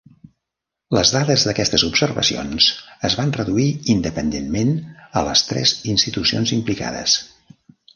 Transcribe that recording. Les dades d'aquestes observacions es van reduir independentment a les tres institucions implicades.